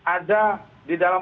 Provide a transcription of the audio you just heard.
ada di dalam